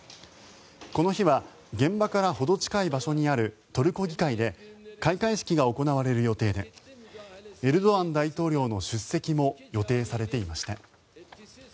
この日は現場からほど近い場所にあるトルコ議会で開会式が行われる予定でエルドアン大統領の出席も予定されていました。